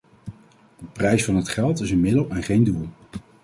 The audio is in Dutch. De prijs van het geld is een middel en geen doel.